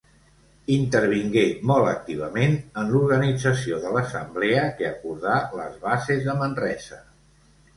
Intervingué molt activament en l'organització de l'assemblea que acordà les Bases de Manresa.